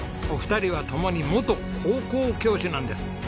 お二人は共に元高校教師なんです。